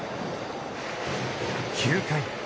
９回。